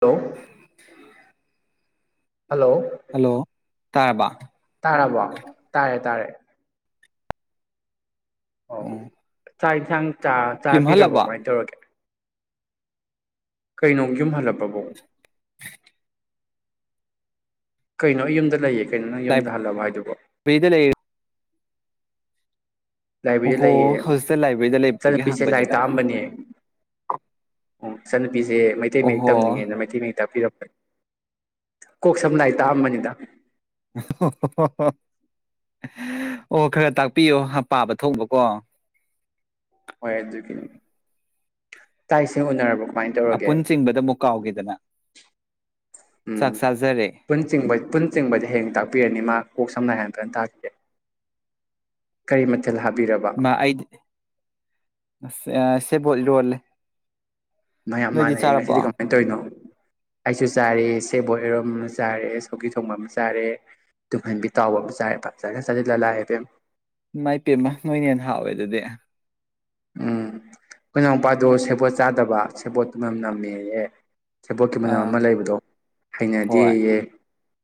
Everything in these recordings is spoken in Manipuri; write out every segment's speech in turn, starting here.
ꯍꯜꯂꯣ [unintelligible] ꯍꯜꯂꯣ ꯍꯜꯂꯣ ꯇꯥꯥꯏꯕ ꯇꯥꯔꯕꯣ ꯇꯥꯔꯦ ꯇꯥꯔꯦ ꯑꯣ ꯎꯝ ꯆꯥꯛ ꯌꯦꯟꯁꯥꯡ ꯌꯨꯝ ꯆꯥꯕꯤꯔꯕꯣ ꯍꯜꯂꯕꯣ ꯀꯃꯥꯏꯅ ꯇꯧꯔꯒꯦ ꯀꯩꯅꯣ ꯌꯨꯝ ꯍꯜꯂꯛꯄꯕꯣ ꯀꯩꯅꯣ ꯌꯨꯝꯗ ꯂꯩꯌꯦ ꯀꯩꯅꯣ ꯅ ꯌꯨꯝꯗ ꯍꯜꯂꯕ ꯍꯥꯏꯗꯨꯕꯣ ꯕꯤꯗ ꯂꯩ ꯂꯥꯏꯕ꯭ꯔꯦꯔꯤ ꯑꯣꯍꯣ ꯂꯩꯌꯦ ꯍꯧꯖꯤꯛꯇ ꯂꯥꯏꯕ꯭ꯔꯦꯔꯤꯗ ꯂꯩꯕꯗꯨꯒꯤ ꯆꯠꯅꯕꯤꯁꯦ ꯂꯥꯏꯔꯤꯛ ꯍꯪꯕꯅꯤꯗ ꯇꯥꯛꯑꯝꯕꯅꯦ ꯑꯣ ꯏꯆꯥꯟꯅꯨꯄꯤꯁꯦ ꯃꯩꯇꯩ ꯃꯌꯦꯛ ꯑꯣꯍꯣ ꯇꯝꯅꯤꯡꯉꯦꯅ ꯃꯩꯇꯩ ꯃꯌꯦꯛ ꯇꯥꯛꯄꯤꯔꯛꯄ ꯀꯣꯛ ꯁꯝꯅ ꯍꯥꯏ ꯑ ꯃꯃꯅꯤꯗ ꯍ ꯍ ꯑꯣ ꯈꯔ ꯇꯥꯛꯄꯤꯌꯣ ꯄꯥꯕ ꯊꯕꯀꯣ ꯍꯣꯏ ꯑꯗꯨꯒꯤꯅꯤ ꯇꯥꯛ ꯏꯁꯦꯡ ꯎꯅꯔꯕꯀꯣ ꯑꯄꯨꯟ ꯆꯤꯡꯕꯗ ꯑꯃꯨꯛ ꯀꯥꯎꯈꯤꯗꯅ ꯎꯝ ꯆꯥꯛ ꯆꯥꯖꯔꯦ ꯄꯨꯟ ꯆꯤꯡꯕꯗ ꯍꯌꯦꯡ ꯇꯥꯛꯄꯤꯔꯅꯤ ꯃꯥ ꯀꯣꯛ ꯁꯝꯅ ꯍꯥꯏꯅ ꯐꯖꯅ ꯇꯥꯛꯈꯤꯦ ꯀꯔꯤꯃ ꯀꯩꯊꯦꯜ ꯍꯥꯕꯤꯔꯕ ꯃꯥ ꯑꯩꯗꯤ ꯑ ꯁꯦꯕꯣꯠ ꯏꯔꯣꯜꯂꯦ ꯃ ꯌꯥꯝ ꯅꯣꯏꯗꯤ ꯃꯥꯥꯟꯅ ꯍꯌꯦꯡ ꯉꯁꯤꯗꯤ ꯆꯥꯔꯕꯣ ꯀꯃꯥꯏꯅ ꯇꯧꯔꯤꯅꯣ ꯑꯩꯁꯨ ꯆꯥꯔꯦ ꯁꯦꯕꯣ ꯑꯦꯔꯣꯝ ꯑꯃ ꯆꯥꯔꯦ ꯁꯧꯀꯤ ꯊꯣꯡꯕ ꯑꯃ ꯆꯥꯔꯦ ꯇꯨꯝꯍꯟꯕꯤ ꯇꯥꯎꯕ ꯑꯃ ꯆꯔꯦ ꯐꯖꯅ ꯆꯠꯁꯤꯜꯂ ꯂꯥꯛꯑꯦꯕꯦꯝ ꯃꯥꯏ ꯄꯦꯝꯃ ꯅꯣꯏꯅ ꯍꯦꯟꯅ ꯍꯥꯎꯋꯦ ꯑꯗꯨꯗꯤ ꯎꯝ ꯀꯅꯥꯎꯄꯥꯗꯣ ꯁꯦꯕꯣꯠ ꯆꯥꯗꯕ ꯁꯦꯕꯣꯠꯇꯨꯅꯌꯥꯝ ꯅꯝꯃꯦꯍꯦ ꯊꯦꯕꯣꯠꯀꯤ ꯃꯅꯝ ꯑꯥ ꯑꯃ ꯂꯩꯕꯗꯣ ꯍꯣꯏ ꯍꯩꯅꯗꯤꯌꯦ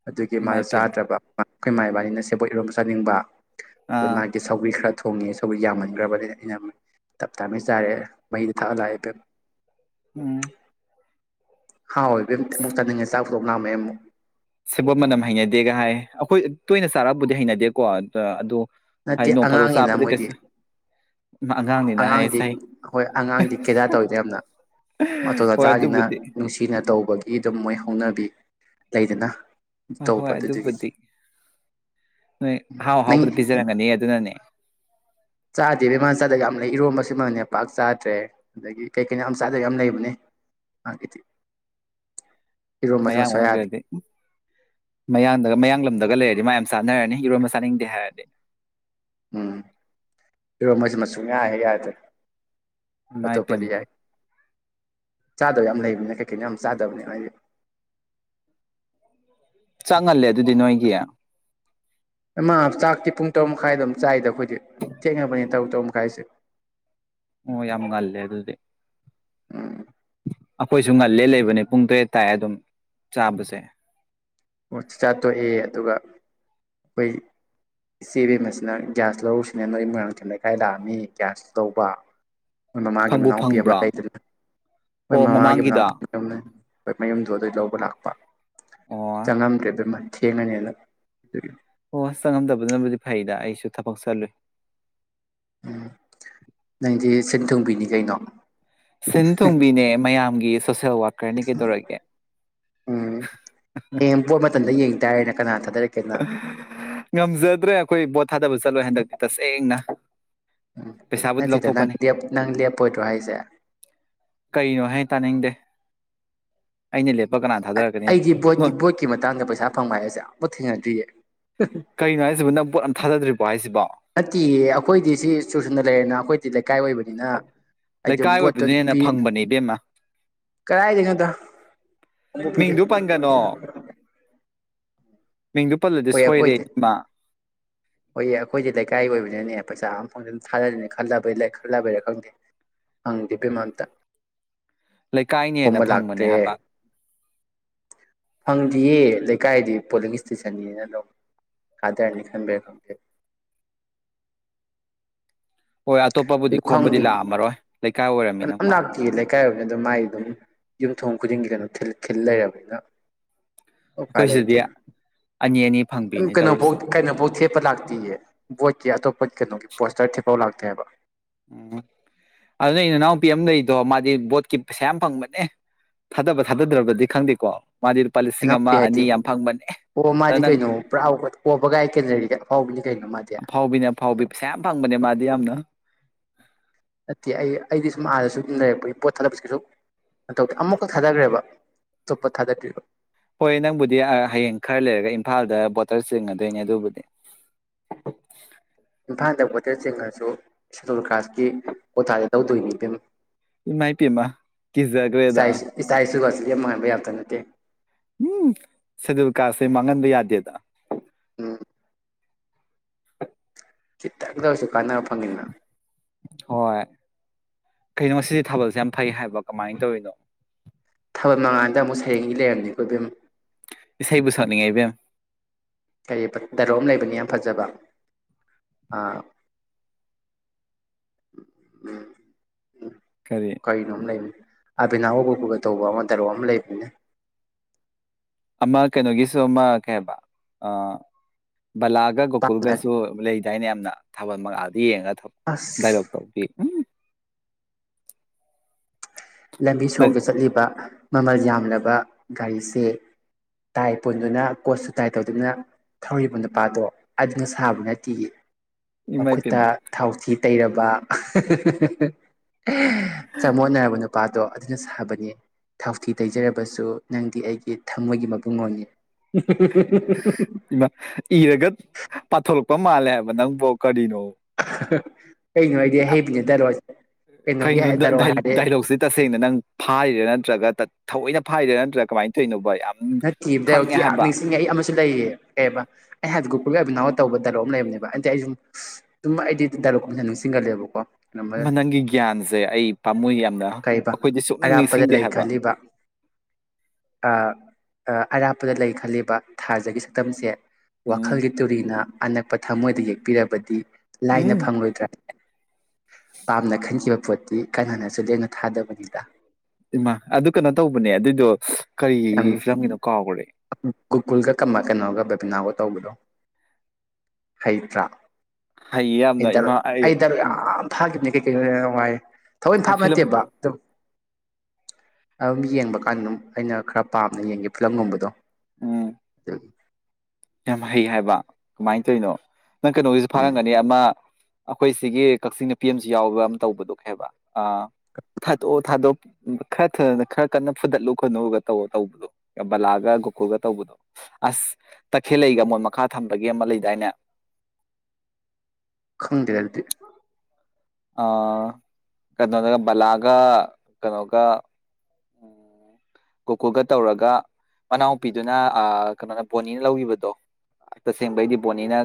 ꯑꯗꯨꯒꯤ ꯃꯥꯗꯣ ꯏꯃꯥꯏ ꯄꯦꯝꯃ ꯆꯥꯗ꯭ꯔꯕ ꯑꯩꯈꯣꯏ ꯃꯥꯏ ꯏꯕꯥꯅꯤꯅ ꯁꯦꯕꯣꯛ ꯏꯔꯣꯝ ꯆꯥꯅꯤꯡꯕ ꯑꯩ ꯑꯥ ꯃꯥꯒꯤ ꯆꯧꯕꯤ ꯈꯔ ꯊꯣꯡꯉꯦ ꯁꯧꯕꯤ ꯌꯥꯝꯃꯟꯈ꯭ꯔꯕꯅꯤꯅ ꯑꯩꯅ ꯇꯞ ꯇꯥꯅꯩ ꯆꯥꯔꯦ ꯃꯩꯗ ꯊꯛꯑ ꯂꯥꯛꯑꯦ ꯎꯝ ꯍꯥꯎ ꯏꯕꯦꯝ ꯑꯃꯨꯛ ꯆꯥꯅꯤꯡꯉꯦ ꯆꯥꯛ ꯄꯨꯊꯣꯛ ꯉꯝꯃꯑꯦ ꯑꯃꯨꯛ ꯁꯕꯣꯠ ꯃꯅꯝ ꯍꯩꯅꯗꯦꯒ ꯍꯥꯏ ꯑꯩꯈꯣꯏ ꯇꯣꯏꯅ ꯆꯥꯔꯕꯨꯗꯤ ꯍꯩꯅꯗꯦꯀꯣ ꯑ ꯑꯗꯨ ꯅꯠꯇꯦ ꯑꯉꯥꯡꯉꯅ ꯃꯣꯏꯗꯤ ꯑꯉꯥꯡꯅꯤꯅ ꯍꯥꯏꯌꯦ ꯑꯉꯥꯡꯗꯤ ꯁꯥꯏ ꯍꯣꯏ ꯑꯉꯥꯡꯗꯤ ꯀꯦꯗꯥ ꯇꯧꯗꯦ ꯌꯥꯝꯅ ꯃꯇꯣꯜ ꯍꯣꯏ ꯑꯇꯥꯅꯤꯅ ꯑꯗꯨꯕꯨꯗꯤ ꯅꯨꯡꯁꯤꯅ ꯇꯧꯕꯒꯤ ꯑꯗꯨꯝ ꯃꯣꯏ ꯍꯧꯅꯕꯤ ꯂꯩꯗꯅ ꯍꯣꯏ ꯍꯣꯏ ꯇꯧꯕ ꯑꯗꯨꯗꯨꯒꯤ ꯑꯗꯨꯕꯨꯗꯤ ꯅꯣꯏ ꯑꯍꯥꯎ ꯑꯍꯥꯎꯕꯗ ꯅꯪ ꯄꯤꯖꯔꯝꯒꯅꯤ ꯑꯗꯨꯅꯅꯦ ꯆꯥꯗꯦꯕ ꯏꯃꯥꯟ ꯆꯥꯗꯒ ꯌꯥꯝ ꯂꯩ ꯏꯔꯣꯟꯕꯁꯤꯃꯅꯦ ꯄꯥꯛ ꯆꯥꯗ꯭ꯔꯦ ꯑꯗꯒꯤ ꯀꯩ ꯀꯩꯅꯣ ꯌꯥꯝ ꯆꯥꯗꯕ ꯌꯥꯝ ꯂꯩꯕꯅꯦꯤ ꯃ ꯍꯟ ꯌꯥꯗ꯭ꯔꯦ ꯀꯗ ꯎ ꯃꯌꯥꯡꯗꯒ ꯃꯌꯥꯡꯂ ꯂꯝꯗꯒ ꯂꯩꯔꯗꯤ ꯃꯌꯥꯝ ꯆꯥꯅꯔꯅꯤ ꯏꯔꯣꯟꯕ ꯆꯥꯅꯤꯡꯗꯦ ꯍꯥꯏꯔꯗꯤ ꯎꯝ ꯏꯔꯣ ꯃꯣꯏꯁ ꯃꯨꯡ ꯌꯥꯏ ꯌꯥꯏꯗ꯭ꯔꯦ ꯏꯃꯥꯏ ꯑꯇꯣꯞꯄꯗꯤ ꯄꯦꯝꯃ ꯌꯥꯏ ꯆꯥꯗꯕ ꯌꯥꯝ ꯂꯩꯕꯅꯦ ꯀꯩꯀꯩꯅꯣ ꯌꯥꯝ ꯆꯥꯗꯕꯅꯦ ꯍꯥꯏꯗꯤ ꯆꯪꯍꯜꯂꯦ ꯑꯗꯨꯗꯤ ꯅꯣꯏꯒꯤ ꯏꯃꯥ ꯆꯥꯛꯇꯤ ꯄꯨꯡ ꯇꯔꯨꯛ ꯃꯈꯥꯏꯗ ꯑꯗꯨꯝ ꯆꯥꯏꯗ ꯑꯩꯈꯣꯏꯗꯤ ꯊꯦꯡꯅꯕꯅꯦ ꯇꯔꯨꯛ ꯇꯔꯨꯛ ꯃꯈꯥꯏꯁꯦ ꯑꯣ ꯌꯥꯝ ꯉꯜꯂꯦ ꯑꯗꯨꯗꯤ ꯎꯝ ꯑꯩꯈꯣꯏꯁꯨ ꯉꯜꯂꯦ ꯂꯩꯕꯅꯦ ꯄꯨꯡ ꯇꯔꯦꯠ ꯇꯥꯏꯦ ꯑꯗꯨꯝ ꯆꯥꯕꯁꯦ ꯆꯥ ꯊꯣꯛꯣꯛꯏ ꯑꯗꯨꯒ ꯑꯩꯈꯣꯏ ꯏꯆꯦꯕꯤꯦꯝ ꯑꯁꯤꯅ ꯒ꯭ꯌꯥꯁ ꯂꯧꯔꯨꯁꯤꯅ ꯅꯣꯏ ꯃꯔꯣꯏꯥꯡꯊꯦꯝ ꯂꯩꯈꯥꯏ ꯂꯥꯛꯑꯅꯤ ꯒ꯭ꯌꯥꯁ ꯂꯧꯕ ꯍꯣꯏ ꯃꯃꯥꯒꯤ ꯐꯪꯕꯨ ꯃꯅꯥꯎꯄꯤ ꯑꯃ ꯐꯪꯕ꯭ꯔꯣ ꯂꯩꯗꯅ ꯍꯣꯏ ꯑꯣ ꯃꯃꯥꯒꯤ ꯃꯃꯥꯡꯒꯤꯗꯣ ꯃꯅꯥꯎꯄꯤ ꯌꯥꯝ ꯍꯣꯏ ꯃꯌꯨꯝꯗꯣ ꯑꯗꯨꯗꯩ ꯂꯧꯕ ꯂꯥꯛꯄ ꯑꯣ ꯆꯪꯉꯝꯗ꯭ꯔꯦ ꯑꯗꯨ ꯃꯥ ꯊꯦꯡꯉꯅꯦꯗ ꯑꯣꯁ ꯆꯪꯉꯝꯗꯕꯗꯨꯅꯕꯨꯗꯤ ꯐꯩꯗ ꯑꯩꯁꯨ ꯊꯕꯛ ꯆꯠꯂꯨꯏ ꯎꯝ ꯅꯪꯗꯤ ꯁꯦꯟ ꯊꯨꯡꯕꯤꯅꯤ ꯀꯩꯅꯣ ꯁꯤꯟ ꯇꯣꯕꯤꯅꯦ ꯃꯌꯥꯝꯒꯤ ꯁꯣꯁꯦꯜ ꯋꯥꯀꯔꯅꯤ ꯀꯩꯗꯧꯔꯛꯒꯦ ꯎ ꯀꯦꯝꯕꯣꯠ ꯃꯇꯝꯗ ꯌꯦꯡ ꯇꯔꯦꯅꯦ ꯀꯅꯥ ꯊꯥꯗꯛꯦ ꯉꯝꯖꯗ꯭ꯔꯦ ꯑꯩꯈꯣꯏ ꯕꯣꯠ ꯊꯥꯗꯕ ꯆꯠꯂꯣꯏ ꯍꯟꯗꯛꯇꯤ ꯇꯁꯦꯡꯅ ꯎꯝ ꯄꯩꯁꯥꯕꯨꯗꯤ ꯅꯠꯇꯗ ꯅꯪ ꯂꯧꯊꯣꯛꯀꯅꯤ ꯅꯪ ꯂꯦꯞꯄꯣꯏꯗ꯭ꯔꯣ ꯍꯥꯏꯁꯦ ꯀꯩꯅꯣ ꯍꯥꯏ ꯇꯥꯅꯤꯡꯗꯦ ꯑꯩꯅ ꯂꯦꯞꯄ ꯀꯅꯥꯗ ꯑꯩꯗꯤ ꯕꯣꯠꯀꯤ ꯕꯣꯠꯀꯤ ꯃꯇꯥꯡꯗ ꯄꯩꯁꯥ ꯐꯪꯕ ꯍꯥꯏꯁꯦ ꯑꯃꯨ ꯊꯦꯡꯅꯗ꯭ꯔꯤꯌꯦ ꯀꯩꯅꯣ ꯍꯥꯏꯁꯤꯕ ꯅꯪ ꯄꯣꯠ ꯌꯥꯝ ꯊꯥꯗ꯭ꯔꯤꯕꯣ ꯍꯥꯏꯁꯤꯕꯣ ꯅꯠꯇꯦꯌꯦ ꯑꯩꯈꯣꯏꯗꯤ ꯁꯤ ꯆꯨꯁꯟꯅ ꯂꯩꯔꯦꯅ ꯑꯩꯈꯣꯏꯗꯤ ꯂꯩꯀꯥꯏ ꯑꯣꯏꯕꯅꯤꯅ ꯑꯩ ꯑꯗꯨ ꯂꯩꯀꯥꯏ ꯕꯣꯠꯇꯣ ꯑꯗꯨ ꯑꯣꯏꯕꯗꯨꯅ ꯍꯦꯟꯅ ꯄ ꯐꯪꯕꯅꯦ ꯏꯕꯦꯝꯃ ꯀꯗꯥꯥꯏꯗꯩꯅꯣꯗ ꯎꯕꯨ ꯄꯗꯦ ꯀꯩꯅꯣ ꯃꯤꯡꯗꯨ ꯄꯜꯂꯗꯤ ꯍꯣꯏ ꯁꯣꯏꯔꯦ ꯑꯩꯈꯣꯏꯗꯤ ꯏꯃ ꯍꯣꯏꯌꯦ ꯑꯩꯈꯣꯏꯁꯦ ꯂꯩꯀꯥꯏꯒꯤ ꯑꯣꯏꯕꯅꯤꯅꯅꯦ ꯄꯩꯁꯥ ꯑꯃ ꯐꯪꯖꯅ ꯊꯥꯗꯔꯤꯅꯦ ꯈꯜꯂꯕꯩ ꯈꯜꯂꯕꯩꯔ ꯈꯪꯗꯦ ꯍꯪꯗꯦꯕꯃꯝꯇ ꯂꯩꯀꯥꯏꯅ ꯍꯦꯟꯅ ꯂꯥꯛꯇ꯭ꯔꯦ ꯐꯪꯕꯅꯦ ꯍꯥꯏꯕ ꯐꯪꯗ꯭ꯔꯤꯌꯦ ꯂꯩꯀꯥꯏꯗꯤ ꯄꯣꯂꯤꯡ ꯏꯁꯇꯦꯁꯟ ꯆꯅꯤꯅ ꯂꯧ ꯊꯥꯗꯔꯅꯤ ꯈꯟꯕꯦ ꯈꯪꯗꯦ ꯍꯣꯏ ꯑꯇꯣꯞꯄꯕꯨꯗꯤ ꯑꯗꯨ ꯈꯣꯝꯕꯗꯤ ꯈꯪꯗꯦ ꯂꯥꯛꯑꯝꯃꯔꯣꯏ ꯂꯩꯀꯥꯏ ꯑꯣꯏꯔꯝꯃꯤꯅꯀꯣ ꯁꯤ ꯂꯩꯀꯥꯏꯣꯅꯤꯅ ꯑꯗꯨꯝ ꯃꯥꯒꯤ ꯑꯗꯨꯝ ꯌꯨꯝꯊꯣꯡ ꯈꯨꯗꯤꯡꯒꯤ ꯀꯩꯅꯣꯜ ꯈꯤꯜ ꯂꯩꯔꯕꯅꯤꯅ ꯎꯄꯥꯏ ꯑꯩꯈꯣꯏ ꯁꯤꯗꯤ ꯂꯩꯇꯦꯅ ꯑꯅꯤ ꯑꯅꯤ ꯐꯪꯕꯤꯅꯦ ꯇꯧꯔꯤꯁꯦ ꯀꯩꯅꯣꯐꯧ ꯀꯩꯅꯣꯐꯧ ꯊꯦꯠꯄ ꯂꯥꯛꯇꯤꯌꯦ ꯕꯣꯠꯀꯤ ꯑꯇꯣꯞꯄ ꯀꯩꯅꯣꯒꯤ ꯄꯣꯁꯇꯔ ꯊꯦꯠꯄꯥꯎ ꯂꯥꯛꯇꯦꯕ ꯎꯝ ꯑꯗꯨꯅ ꯏ ꯏꯅꯥꯎꯨꯄꯤ ꯑꯃ ꯂꯩꯗꯣ ꯃꯥꯗꯤ ꯕꯣꯠꯀꯤ ꯄꯩꯁꯥ ꯌꯥꯝ ꯐꯪꯕꯅꯦ ꯊꯥꯗꯕ ꯊꯥꯗꯗ꯭ꯔꯕꯗꯤ ꯈꯪꯗꯦꯀꯣ ꯃꯥꯗꯤ ꯂꯨꯄꯥ ꯂꯤꯁꯤꯡ ꯑꯃ ꯏꯅꯥꯎꯄꯤ ꯑꯅꯤ ꯌꯥꯝ ꯐꯪꯕꯅꯦ ꯑꯗ ꯅꯪ ꯄꯨꯔꯥꯥꯎꯕ ꯀꯣꯕꯒꯥꯏ ꯀꯦꯟꯖꯔꯤꯒ ꯑꯥꯎꯕꯅꯤ ꯀꯩꯅꯣ ꯃꯥꯗꯤ ꯑꯐꯥꯎꯕꯤꯅꯦ ꯑꯐꯥꯎꯕꯤ ꯄꯩꯁꯥ ꯌꯥꯝ ꯐꯪꯕꯅꯦ ꯃꯥꯗꯤ ꯌꯥꯝꯅ ꯅꯠꯇꯦ ꯑꯩꯗꯤ ꯁꯨꯝ ꯑꯥꯗꯁꯨ ꯑꯗꯨꯝ ꯂꯩꯔꯛꯄꯒꯤ ꯄꯣꯠ ꯊꯥꯗꯛꯄꯁꯤꯁꯨ ꯑꯧꯤ ꯑꯃꯨꯛꯀ ꯊꯥꯗꯈ꯭ꯔꯦꯕ ꯑꯇꯣꯞꯄ ꯊꯥꯗꯗ꯭ꯔꯤꯕ ꯍꯣꯏ ꯅꯪꯕꯨꯗꯤ ꯍꯌꯦꯡ ꯈꯔ ꯂꯩꯔꯒ ꯏꯝꯐꯥꯜꯗ ꯕꯣꯇꯔ ꯆꯤꯡꯉꯗꯣꯏꯅꯦ ꯑꯗꯨꯕꯨꯗꯤ ꯏꯝꯐꯥꯜꯗ ꯕꯣꯇꯔ ꯆꯤꯡꯉꯁꯨ ꯁꯦꯗꯨꯜ ꯀ꯭ꯔꯥꯁꯀꯤ ꯀꯣꯇꯥꯗꯤ ꯇꯧꯗꯣꯏꯅꯤ ꯑꯗꯨꯝ ꯃꯥꯏ ꯄꯤꯃ ꯀꯤꯁꯖꯒ꯭ꯔꯦꯗ ꯏꯇꯥꯏ ꯏꯁꯨꯒꯁꯤ ꯌꯥꯝ ꯃꯥꯟꯕ ꯌꯥꯇ ꯅꯠꯇꯦ ꯎꯝ ꯁꯦꯗꯨꯜ ꯀꯔꯁꯦ ꯃꯥꯡꯍꯟꯕ ꯌꯥꯗꯦꯗ ꯎꯝ ꯈꯤꯇꯪꯗ ꯑꯣꯏꯔꯁꯨ ꯀꯥꯟꯅꯕ ꯐꯪꯅꯤꯡꯗꯅ ꯍꯣꯏ ꯀꯩꯅꯣ ꯁꯤꯗꯤ ꯊꯥꯕꯜꯁꯦ ꯌꯥꯝ ꯐꯩ ꯍꯥꯏꯕ ꯀꯃꯥꯏꯅ ꯇꯧꯔꯤꯅꯣ ꯊꯥꯜ ꯃꯉꯥꯟꯗ ꯑꯃꯨꯛ ꯁꯩꯦꯡꯒꯤ ꯂꯩꯔꯝꯃꯦ ꯑꯩꯈꯣꯏꯕꯝ ꯏꯁꯩꯕꯨ ꯁꯛꯅꯤꯡꯉꯩ ꯏꯕꯦꯝ ꯀꯔꯤ ꯗꯔꯣꯝ ꯂꯩꯕꯅꯤ ꯌꯥꯝ ꯐꯖꯕ ꯎꯝ ꯀꯔꯤ ꯀꯔꯤꯅꯣꯝ ꯑꯃ ꯂꯩꯕꯅꯤ ꯑꯕꯤꯦꯅꯥ ꯑꯕꯞꯄꯒ ꯇꯧꯕ ꯑꯃ ꯗꯔꯣꯛ ꯑꯃ ꯂꯩꯕꯅꯦ ꯑꯃ ꯀꯩꯅꯣꯒꯤꯁꯨ ꯑꯃ ꯀꯩ ꯍꯥꯏꯕ ꯕꯂꯥꯒ ꯄꯥꯝꯅ ꯒꯣꯀꯨꯜꯒꯁꯨ ꯂꯩ ꯏꯁ ꯑꯩꯅ ꯌꯥꯝꯅ ꯊꯥꯕꯜ ꯃꯥꯗ ꯌꯦꯡꯉꯒ ꯂꯥꯏꯕꯛ ꯑꯁ ꯇꯧꯕꯤ ꯎꯝ ꯂꯝꯕꯤ ꯅꯪ ꯁꯣꯔꯣꯛꯇ ꯆꯠꯂꯤꯕ ꯃꯃꯜ ꯌꯥꯝꯂꯕ ꯒꯥꯔꯤꯁꯦ ꯇꯥꯏ ꯄꯨꯣꯟꯗꯨꯅ ꯀꯣꯠꯁꯨ ꯇꯥꯏ ꯇꯧꯗꯨꯅ ꯊꯧꯔꯤꯕ ꯅꯨꯄꯥꯗꯣ ꯑꯗꯨꯅ ꯁꯥꯕ ꯅꯠꯇꯦ ꯏꯃꯥꯏ ꯃꯈꯨꯠꯇ ꯄꯦꯝꯃ ꯊꯥꯎꯊꯤ ꯇꯩꯔꯕ ꯆꯃꯣꯠꯅꯔꯕ ꯅꯨꯄꯥꯗꯣ ꯑꯗꯨꯅ ꯁꯥꯕꯅꯤ ꯊꯥꯎꯊꯤ ꯇꯩꯖꯔꯕꯁꯨ ꯅꯪꯗꯤ ꯑꯩꯒꯤ ꯊꯃꯣꯏꯒꯤ ꯃꯕꯨꯡꯣꯟꯅꯤ ꯏꯃꯥ ꯏꯔꯒ ꯄꯥꯊꯣꯛꯂꯛꯄ ꯃꯥꯜꯂꯦ ꯍꯥꯏꯕ ꯅꯪꯕꯨꯣ ꯀꯔꯤꯅꯣ ꯀꯩꯅꯣ ꯍꯥꯏꯗꯤ ꯍꯩꯕꯅꯦ ꯔꯣ ꯀꯩꯅꯣꯒꯤ ꯗꯔꯣ ꯍꯥꯏꯔꯗꯤ ꯍꯧꯁꯦ ꯇꯁꯦꯡꯅ ꯅꯪ ꯐꯥꯔꯤꯔꯥ ꯅꯠꯇ꯭ꯔꯒ ꯊꯑꯣꯏꯅ ꯐꯥꯏꯔꯤꯔꯥ ꯅꯠꯇ꯭ꯔꯒ ꯀꯃꯥꯏꯅ ꯇꯧꯔꯤꯅꯣꯕ ꯌꯥꯝ ꯅꯠꯇꯦ ꯗꯥ ꯈꯪꯉꯦ ꯍꯥꯏꯕ ꯅꯤꯡꯁꯤꯡꯉꯏ ꯁꯤ ꯂꯩꯌꯦ ꯀꯩ ꯍꯥꯏꯕ ꯑꯩ ꯍꯥꯏꯗꯤ ꯒꯨꯀꯨꯜꯒꯤ ꯑꯕꯤꯅꯥꯎ ꯇꯧꯕ ꯗꯂꯣ ꯑꯃ ꯂꯩꯕꯅꯦꯕ ꯑꯗꯤ ꯑꯩ ꯁꯨꯝ ꯑꯗꯨꯨꯝ ꯑꯩꯗꯤ ꯥꯂꯣꯛ ꯀ ꯅꯤꯡꯁꯤꯡꯒꯂꯦꯕꯀꯣ ꯃ ꯅꯪꯒꯤ ꯒ꯭ꯌꯥꯟꯁꯦ ꯑꯩ ꯄꯥꯝꯃꯣꯏ ꯌꯥꯝꯅ ꯀꯔꯤꯕ ꯑꯩꯈꯣꯏꯗꯤ ꯁꯨꯛꯅꯤꯡ ꯑꯔꯥꯞꯄꯗ ꯅꯤꯡꯁꯤꯡꯗꯦ ꯂꯩ ꯍꯥꯏꯕ ꯈꯜꯂꯤꯕ ꯑꯔꯥꯞꯄꯗ ꯂꯩ ꯈꯜꯂꯤꯕ ꯊꯥꯖꯒꯤ ꯁꯛꯇꯝꯁꯦ ꯎꯝ ꯋꯥꯈꯜꯒꯤ ꯇꯨꯔꯤꯅ ꯑꯅꯛꯄ ꯊꯃꯣꯏꯗ ꯌꯦꯛꯄꯤꯔꯕꯗꯤ ꯎꯝ ꯂꯥꯏꯅ ꯐꯪꯂꯣꯏꯗ꯭ꯔꯥ ꯄꯥꯝꯅ ꯈꯟꯈꯤꯕ ꯄꯣꯠꯇꯤ ꯀꯅꯥ ꯍꯅꯁꯨ ꯂꯦꯝꯅ ꯊꯥꯗꯕꯅꯤꯗ ꯏꯃꯥ ꯑꯗꯨ ꯀꯩꯅꯣ ꯇꯧꯕꯅꯦ ꯑꯗꯨꯏꯗꯣ ꯀꯔꯤ ꯐꯤꯂꯝꯒꯤꯅꯣ ꯀꯥꯎꯈ꯭ꯔꯦ ꯒꯨꯀꯨꯜꯒ ꯀ ꯀꯩꯅꯣꯒ ꯕꯦꯕꯤꯅꯥꯒ ꯇꯧꯕꯗꯣ ꯍꯩꯇ꯭ꯔꯥ ꯍꯩꯌꯦ ꯌꯥꯝꯅ ꯏꯗꯔ ꯏꯃꯥ ꯑꯩ ꯑꯩꯗꯔ ꯐꯥꯈꯤꯕꯅꯦ ꯀꯩ ꯀꯩꯅꯅꯣ ꯅꯨꯡꯉꯥꯏ ꯊꯑꯣꯏꯅ ꯐꯥꯕ ꯐꯤꯂꯝ ꯅꯠꯇꯦꯕ ꯑꯗꯨ ꯑꯗꯨꯝ ꯌꯦꯡꯕ ꯀꯥꯟꯗ ꯑꯗꯨꯝ ꯑꯩꯅ ꯈꯔ ꯄꯥꯝꯅ ꯌꯦꯡꯒꯦ ꯐꯤꯂꯝꯒꯨꯝꯕꯗꯣ ꯎꯝ [unintelligible] ꯌꯥꯝ ꯍꯩ ꯍꯥꯏꯕ ꯀꯃꯥꯏꯅ ꯇꯧꯔꯤꯅꯣ ꯅꯪ ꯀꯩꯅꯣꯒꯤꯁꯨ ꯎꯝ ꯐꯥꯔꯝꯒꯅꯤ ꯑꯃ ꯑꯩꯈꯣꯏ ꯁꯤꯒꯤ ꯀꯛꯆꯤꯡ ꯅꯨꯄꯤ ꯑꯃꯁꯁꯨ ꯌꯥꯎꯕ ꯑꯃ ꯇꯧꯕꯗꯨꯣ ꯍꯥꯏꯕ ꯑ ꯊꯥꯗꯣꯛꯑꯣ ꯊꯥꯗꯣꯛ ꯈꯔ ꯊꯅ ꯈꯔ ꯀꯟꯅ ꯐꯨꯗꯠꯂꯨ ꯈꯣꯠꯂꯒ ꯇꯧꯔ ꯇꯧꯕꯗꯣ ꯕꯂꯥꯒ ꯒꯣꯀꯨꯜꯒ ꯇꯧꯕꯗꯣ ꯑꯁ ꯇꯈꯦꯜꯂꯛꯏꯒ ꯃꯣꯏ ꯃꯈꯥ ꯊꯝꯕꯒꯤꯦ ꯑꯃ ꯂꯩꯗꯥꯏꯅꯦ ꯈꯪꯗꯦꯒꯦꯜꯗꯤ ꯑ ꯀꯩꯅꯣꯗꯒ ꯕꯂꯥꯒ ꯀꯩꯅꯣꯒ ꯎꯝ ꯒꯣꯀꯨꯒ ꯇꯧꯔꯒ ꯃꯅꯥꯎꯄꯤꯗꯨꯅ ꯀꯩꯅꯣꯅ ꯕꯣꯅꯤꯅ ꯂꯧꯈꯤꯕꯗꯣ ꯇꯁꯦꯡꯕꯩꯗꯤ ꯕꯣꯅꯤꯅ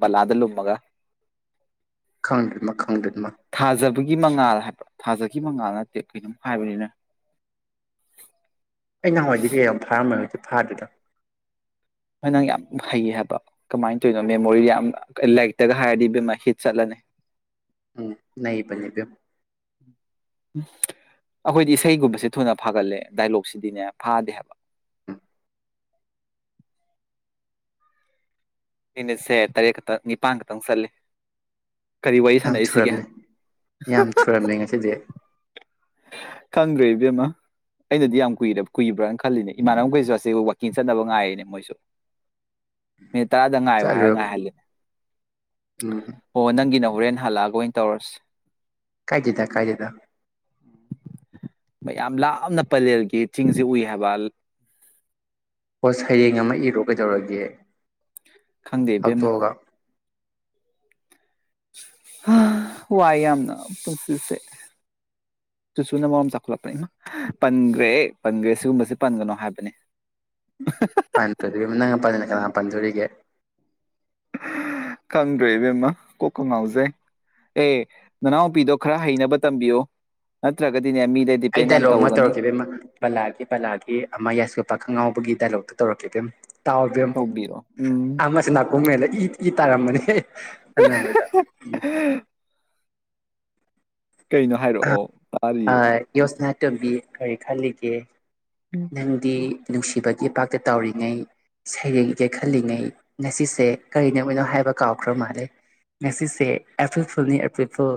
ꯕꯂꯥꯗ ꯂꯨꯝꯃꯒ ꯈꯪꯗꯃ ꯈꯪꯗ꯭ꯔꯃ ꯊꯥꯖꯕꯒꯤ ꯃꯉꯥꯜ ꯍꯥꯏꯕ ꯊꯥꯖꯒꯤ ꯃꯉꯥꯜ ꯅꯠꯇꯦ ꯀꯩꯅꯣꯝ ꯍꯥꯏꯕꯅꯤꯅ ꯑꯩ ꯅꯍꯥꯟꯋꯥꯏꯩ ꯀꯩ ꯌꯥꯝ ꯊꯥꯔꯝꯃꯒ ꯁꯤꯦ ꯐꯥꯗꯗꯣ ꯍꯣꯏ ꯅꯪ ꯌꯥꯝ ꯍꯩꯌꯦ ꯍꯥꯏꯕ ꯀꯃꯥꯏꯅ ꯇꯧꯔꯤꯅꯣ ꯃꯦꯃꯣꯔꯤꯗ ꯌꯥꯝ ꯂꯥꯏꯔꯤꯛꯇꯒ ꯍꯥꯏꯔꯗꯤ ꯕꯦꯝꯃ ꯍꯤꯠ ꯆꯠꯂꯅꯤ ꯎꯝ ꯅꯕꯅꯦꯕꯌꯨ ꯎꯝ ꯑꯩꯈꯣꯏꯗꯤ ꯏꯁꯩꯒꯨꯝꯕꯁꯦ ꯊꯨꯅ ꯐꯥꯒꯠꯂꯦ ꯗꯥꯏꯂꯣꯛꯁꯤꯗꯤꯅꯦ ꯐꯥꯗꯦ ꯍꯥꯏꯕ ꯑꯅꯦꯠꯁꯦ ꯇꯔꯦꯠ ꯈꯛꯇꯪ ꯅꯤꯄꯥꯟ ꯈꯛꯇꯪ ꯆꯠꯂꯦ ꯀꯔꯤ ꯋꯥꯔꯤ ꯌꯥꯝ ꯁꯥꯟꯅꯏꯁꯤꯒꯦ ꯁꯤꯗꯤꯦ ꯈꯪ꯭ꯔꯦ ꯏꯕꯦꯃ ꯑꯩꯅꯗꯤ ꯌꯥꯝ ꯀꯨꯏꯔ ꯀꯨꯏꯕ꯭ꯔꯅ ꯈꯜꯂꯤꯅꯦ ꯏꯃꯥꯟꯅꯕꯈꯩꯁꯨ ꯑꯁꯦ ꯋꯀꯤꯡ ꯆꯠꯅꯕ ꯉꯥꯏꯔꯤꯦꯅꯦ ꯃꯣꯏꯁꯨ ꯃꯤꯅꯤꯠ ꯇꯔꯥꯗ ꯉꯥꯏꯌꯨ ꯍꯥꯏꯔ ꯆꯠꯂꯨꯔ ꯉꯥꯏꯍꯜꯂꯤꯅꯦ ꯎꯝ ꯑꯣ ꯅꯪꯒꯤꯅ ꯍꯣꯔꯦꯟ ꯍꯜꯂꯛꯑꯒ ꯑꯣꯏꯅ ꯇꯧꯔꯁꯤ ꯀꯥꯏꯗꯗ ꯀꯥꯏꯗꯦꯗ ꯃꯌꯥꯝ ꯂꯥꯞꯅ ꯄꯂꯦꯜꯒꯤ ꯆꯤꯡꯁꯦ ꯎꯏ ꯍꯥꯏꯕ ꯍꯣꯁ ꯍꯌꯦꯡ ꯑꯃ ꯏꯔꯣ ꯀꯩꯗꯧꯔꯒꯦ ꯈꯪꯗꯦ ꯕꯦꯝꯃ ꯐꯥꯛꯇꯣꯛꯑꯒ ꯋꯥꯏ ꯌꯥꯝꯅ ꯄꯁꯤꯁꯦ ꯁꯨꯅ ꯃꯔꯝ ꯇꯥꯛꯂ ꯄꯟꯈ꯭ꯔꯦ ꯑꯦ ꯄꯟꯈ꯭ꯔꯦ ꯁꯤꯒꯨꯝꯕꯁꯦ ꯄꯟꯒꯅꯣ ꯍꯥꯏꯕꯅꯤ ꯅꯪꯅ ꯄꯟꯗꯅ ꯀꯅꯥꯅ ꯄꯥꯟꯗꯣꯔꯤꯒꯦ ꯈꯪꯗ꯭ꯔꯦ ꯏꯕꯦꯝꯃ ꯀꯣꯛꯀ ꯉꯥꯎꯖꯩ ꯑꯦ ꯅꯅꯥꯎꯨꯄꯤꯗꯣ ꯈꯔ ꯍꯩꯅꯕ ꯇꯝꯕꯤꯌꯨ ꯅꯠꯇ꯭ꯔꯒꯗꯤꯅꯦ ꯃꯤꯗ ꯑꯩ ꯗꯤꯄꯦꯟ ꯌꯥꯝ ꯗꯥꯏꯂꯣꯛ ꯑꯃ ꯇꯧꯒꯅꯤ ꯇꯧꯔꯛꯈꯤꯕ ꯏꯃ ꯕꯂꯥꯒꯤ ꯕꯂꯥꯒꯤ ꯑꯃ ꯌꯥꯏꯁꯀꯣꯄꯥ ꯈꯪꯉꯥꯎꯕꯒꯤ ꯗꯥꯏꯂꯣꯛꯇꯣ ꯇꯧꯔꯛꯀꯦ ꯄꯦꯝ ꯇꯕꯝ ꯇꯧꯕꯤꯔꯣ ꯎꯝ ꯑꯃꯁꯤ ꯑꯣ ꯃꯦꯜꯂ ꯏ ꯏ ꯇꯥꯔꯝꯕꯅꯤ ꯑꯅꯕꯗ ꯎ ꯀꯩꯅꯣ ꯍꯥꯏꯔꯛꯑꯣ ꯇꯥꯔꯤꯌꯦ ꯌꯣꯁꯅꯥ ꯇꯝꯕꯤ ꯀꯔꯤ ꯈꯜꯂꯤꯒꯦ ꯅꯪꯗꯤ ꯅꯨꯡꯁꯤꯕꯒꯤ ꯏꯄꯥꯛꯇ ꯇꯧꯔꯤꯉꯩ ꯁꯩꯔꯦꯡꯒꯦ ꯈꯜꯂꯤꯉꯩ ꯉꯁꯤꯁꯦ ꯀꯔꯤꯅꯅꯣ ꯍꯥꯏꯕ ꯀꯥꯎꯈ꯭ꯔ ꯃꯥꯜꯂꯦ ꯉꯁꯤꯁꯦ ꯑꯦꯄꯤꯜ ꯐꯨꯜꯅꯤ April fool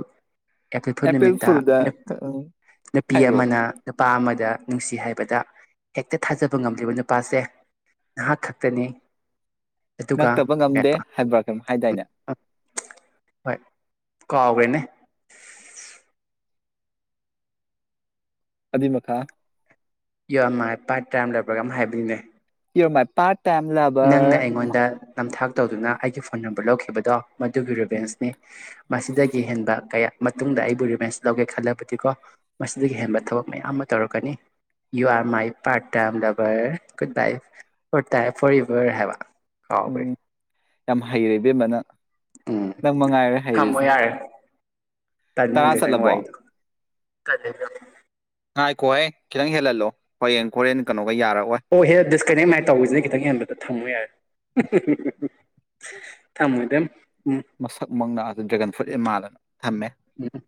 April fool April ꯅꯨꯃꯤꯠ ꯐꯨꯜꯗ ꯎꯝ ꯅꯨꯄꯤ ꯍꯥꯏꯔꯛꯑꯣ ꯑꯃꯅ ꯅꯨꯄꯥ ꯑꯃꯗ ꯅꯨꯡꯁꯤ ꯍꯥꯏꯕꯗ ꯍꯦꯛꯇ ꯊꯥꯖꯕ ꯉꯝꯂꯤꯕ ꯅꯨꯄꯥꯁꯦ ꯉꯍꯥꯛ ꯈꯛꯇꯅꯦ ꯅꯛꯇꯕ ꯉꯝꯗꯦ ꯍꯥꯏꯕ꯭ꯔꯥ ꯀꯩꯝ ꯍꯥꯏꯗꯥꯏꯅꯦ ꯍꯣꯏ ꯀꯥꯎꯈ꯭ꯔꯦꯅꯦ ꯑꯙꯃ ꯈꯥ ꯌꯥꯝ ꯅꯨꯡꯉꯥꯏ ꯄꯥꯏꯠ ꯇꯥꯏꯝ ꯂꯩꯔꯕ꯭ꯔꯒ ꯑꯃ ꯍꯥꯏꯕꯒꯤꯅꯦ ꯌ ꯃꯥꯏ ꯄꯥꯔ ꯇꯥꯏꯝ ꯂꯕꯔ ꯑꯩꯉꯣꯟꯗ ꯅꯝꯊꯥꯛ ꯇꯧꯗꯨꯅ ꯑꯩꯒꯤ ꯐꯣꯟ ꯅꯝꯕꯔ ꯂꯧꯈꯤꯕꯗꯣ ꯃꯗꯨꯒꯤ ꯚꯦꯟꯁꯅꯤ ꯃꯁꯤꯗꯒꯤ ꯍꯦꯟꯕ ꯀꯌꯥ ꯃꯇꯨꯡꯗ ꯑꯩꯕꯨ ꯔꯤꯃꯥꯏꯟꯁ ꯂꯧꯒꯦ ꯈꯜꯂꯕꯗꯤꯀꯣ ꯃꯁꯤꯗꯒꯤ ꯍꯦꯟꯕ ꯊꯕꯛ ꯃꯌꯥꯝ ꯑꯃ ꯇꯧꯔꯛꯀꯅꯤ you are my part time lover goodbye ꯐ ꯐꯣꯔ ꯌꯚꯔ ꯍꯥꯏꯕ ꯎꯝ ꯀꯥꯎꯒ꯭ꯔꯦ ꯌꯥꯝ ꯍꯩꯔꯦ ꯏꯕꯦꯝꯕꯅ ꯎꯝ ꯅꯪ ꯃ ꯉꯥꯏꯔꯦ ꯍꯩꯔꯤꯁꯦ ꯇꯔꯥ ꯇꯅꯤꯗ ꯆꯠꯂꯕꯣ ꯋꯥꯏ ꯉꯥꯏꯈꯣ ꯍꯦ ꯈꯤꯇꯪ ꯍꯦꯜꯍꯜꯂꯣ ꯍꯌꯦꯡ ꯍꯣꯔꯦꯟ ꯀꯩꯅꯣꯒ ꯌꯥꯔꯛꯑꯣꯏ ꯑꯣ ꯍꯦ ꯗꯤꯁꯀꯅꯦꯛ ꯃꯥꯏꯅ ꯇꯧꯁꯤ ꯈꯤꯇꯪ ꯍꯦꯟꯕꯗ ꯊꯝꯃꯨ ꯌꯥꯔꯦ ꯊꯃꯣꯗ ꯎꯝ ꯃꯁꯛ ꯃꯪꯅ ꯑꯗꯨ ꯗ꯭ꯔꯦꯒꯟ ꯐ꯭ꯔꯨꯠ ꯑꯦ ꯃꯥꯜꯂꯅ ꯊꯝꯃꯦ ꯎꯝ